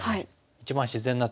一番自然な手。